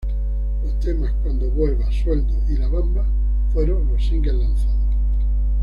Los temas "Cuando vuelvas", "Sueldos" y "La bamba", fueron los singles lanzados.